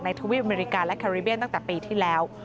ทวีปอเมริกาและแคริเบียนตั้งแต่ปีที่แล้ว